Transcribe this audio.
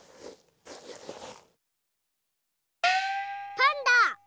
パンダ！